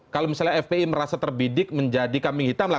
kalau misalnya fpi merasa terbidik menjadi kambing hitam lah